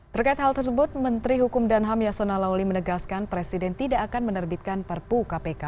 terkait hal tersebut menteri hukum dan ham yasona lawli menegaskan presiden tidak akan menerbitkan perpu kpk